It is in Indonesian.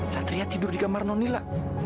satria tidur di kamar nonila